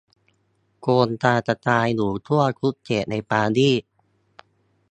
โครงการกระจายอยู่ทั่วทุกเขตในปารีส